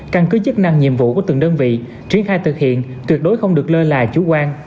căn cứ chức năng nhiệm vụ của từng đơn vị triển khai thực hiện tuyệt đối không được lơ là chủ quan